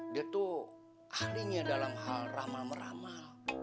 dia tuh ahlinya dalam hal ramal meramal